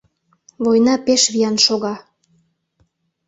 Война пеш виян шога.